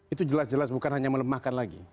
itu jelas jelas bukan hanya melemahkan lagi